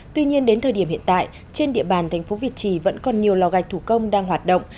tuy nhiên đến thời điểm hiện tại trên địa bàn thành phố việt trì vẫn còn nhiều lò gạch thủ công đang hoạt động